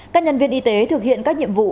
các nhân viên y tế thực hiện các nhiệm vụ